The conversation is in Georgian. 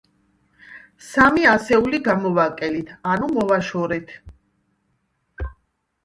სამი ასეული გამოვაკელით, ანუ მოვაშორეთ.